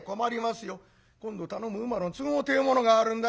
今度頼む乳母の都合てえいうものがあるんだ。